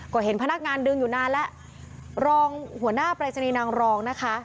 ก็เห็นพนักงานดึงอยู่นานแล้วรองหัวหน้าปรายศนีย์นางรองนะคะ